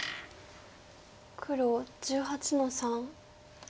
黒１８の三。